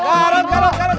garut garut garut